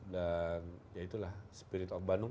dan ya itulah spirit of bandung